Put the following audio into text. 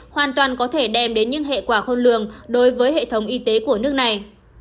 hoàn toàn có thể đem đến những hệ quả khôn lường đối với hệ thống y tế của nước này